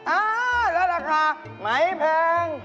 อ้าวแล้วก็ราคาไหมแพง